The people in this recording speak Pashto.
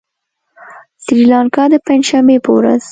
سريلانکا د پنجشنبې په ورځ